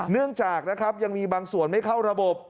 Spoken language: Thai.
เนื่องจากนะครับยังมีบางส่วนไม่เข้าระบบ